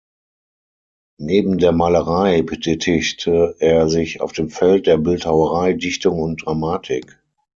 Neben der Malerei betätigte er sich auf dem Feld der Bildhauerei, Dichtung und Dramatik.